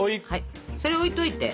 それ置いといて。